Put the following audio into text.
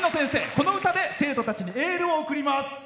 この歌で生徒たちにエールを送ります。